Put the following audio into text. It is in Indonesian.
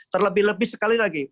terlebih lebih sekali lagi